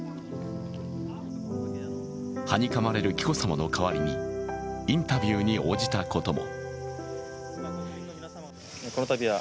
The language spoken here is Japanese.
はにかまれる紀子さまの代わりにインタビューに応じたことも。